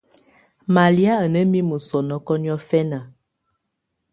Malɛ̀á à nà mimǝ́ sɔ̀nɔkɔ̀ niɔ̀fɛna.